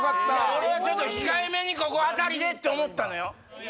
俺はちょっと控えめにここあたりでって思ったのよ。